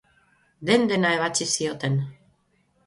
Den-dena ebatsi zioten.